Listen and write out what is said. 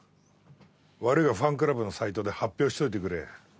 悪いがファンクラブのサイトで発表しといてくれ。